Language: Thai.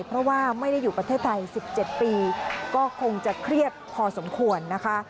เพราะว่าไม่ได้อยู่ประเทศไทย๑๗ปีก็คงจะเครียดพอสมควรนะคะ